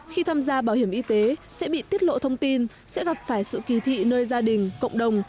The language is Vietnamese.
khi tham gia bảo hiểm y tế sẽ bị tiết lộ thông tin sẽ gặp phải sự kỳ thị nơi gia đình cộng đồng